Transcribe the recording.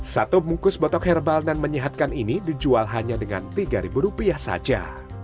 satu mungkus botok herbal dan menyehatkan ini dijual hanya dengan rp tiga saja